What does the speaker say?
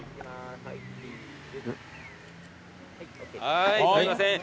はいすいません。